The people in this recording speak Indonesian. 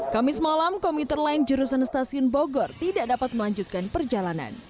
kamis malam komuter lain jurusan stasiun bogor tidak dapat melanjutkan perjalanan